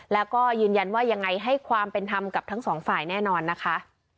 แล้วก็ยืนยันว่ายังไงให้ความเป็นธรรมกับทั้งสองฝ่ายแน่นอนนะคะ